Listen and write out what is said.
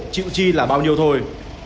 chịu chi là bao nhiêu thôi